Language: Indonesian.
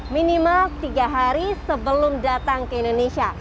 minimal tiga hari sebelum datang ke indonesia